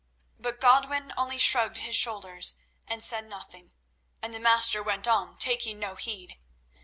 But Godwin only shrugged: his shoulders and said nothing, and the Master went on, taking no heed.